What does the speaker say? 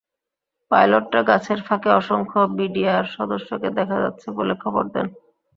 পাইলটরা গাছের ফাঁকে অসংখ্য বিডিআর সদস্যকে দেখা যাচ্ছে বলে খবর দেন।